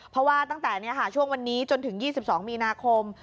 เพราะว่าตั้งแต่ช่วงวันนี้จนถึง๒๒มีนาคม